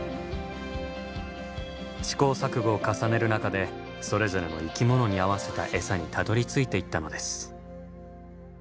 試行錯誤を重ねる中でそれぞれの生き物に合わせた餌にたどりついていったのです。